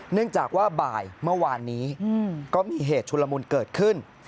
เนื่องจากว่าบ่ายเมื่อวานนี้ก็มีเหตุชุลมุนเกิดขึ้น